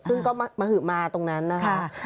ซึ่งก็มหือมาตรงนั้นนะคะ